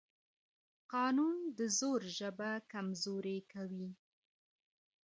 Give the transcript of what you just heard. قانون د زور ژبه کمزورې کوي